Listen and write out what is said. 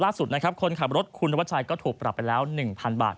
ล่าสุดนะครับคนขับรถคุณนวัดชัยก็ถูกปรับไปแล้ว๑๐๐บาท